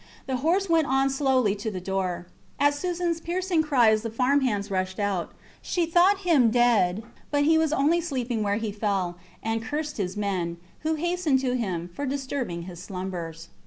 The horse went on slowly to the door. At Susans piercing cries the farm hands rushed out. She thought him dead, but he was only sleeping where he fell, and cursed his men, who hastened to him, for disturbing his slumbers.